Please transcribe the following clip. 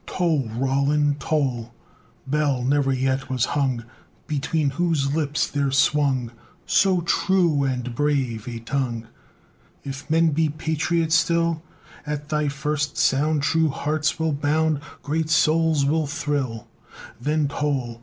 II Toll! Roland, toll! Bell never yet was hung, Between whose lips there swung So true and brave a tongue! If men be patriots still, At thy first sound True hearts will bound, Great souls will thrill Then toll!